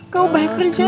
kamu banyak kerjaan